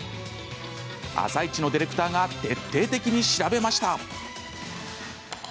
「あさイチ」のディレクターが徹底的に調べました。